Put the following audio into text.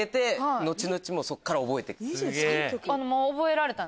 後々そっから覚えてく。